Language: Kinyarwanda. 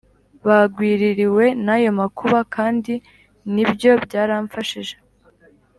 Bagwiririwe n ayo makuba kandi ibyo byaramfashije